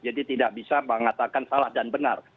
jadi tidak bisa mengatakan salah dan benar